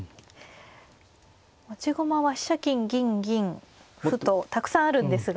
持ち駒は飛車金銀銀歩とたくさんあるんですが。